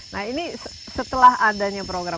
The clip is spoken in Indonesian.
nah ini setelah adanya program